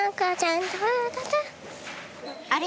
あれ？